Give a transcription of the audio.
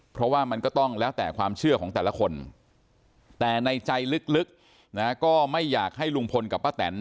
เพราะว่ามันก็ต้องแล้วแต่ความเชื่อของแต่ละคนแต่ในใจลึกนะก็ไม่อยากให้ลุงพลกับป้าแตน